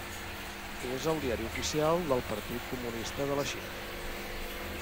És el diari oficial del Partit Comunista de la Xina.